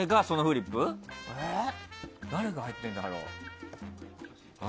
誰が入ってるんだろう。